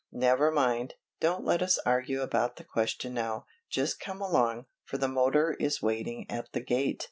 Never mind, don't let's argue about the question now, just come along, for the motor is waiting at the gate.